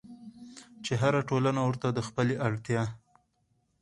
چې هره ټولنه ورته د خپلې اړتيا